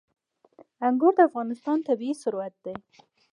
انګور د افغانستان طبعي ثروت دی.